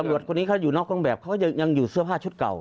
ตำรวจคนนี้น่อกลางแบบยังอยู่ชุดเสื้อผ้าเก่า